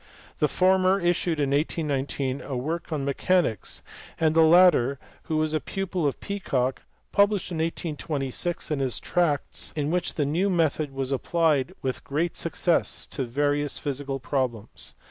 The former issued in 1819 a work on mechanics, and the latter, who was a pupil of Peacock, pub lished in 1826 his Tracts^ in which the new method was applied with great success to various physical problems.